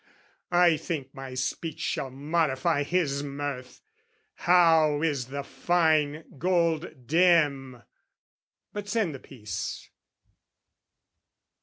I think my speech shall modify his mirth: "How is the fine gold dim!" but send the piece!